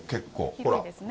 ほら。